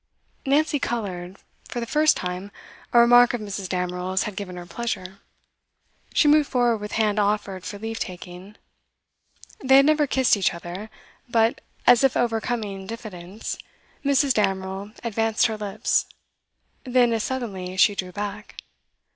Nancy coloured; for the first time, a remark of Mrs. Damerel's had given her pleasure. She moved forward with hand offered for leave taking. They had never kissed each other, but, as if overcoming diffidence, Mrs. Damerel advanced her lips; then, as suddenly, she drew back.